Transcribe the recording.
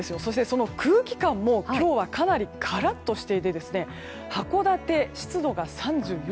その空気感も今日はかなりカラッとしていて函館、湿度が３４％。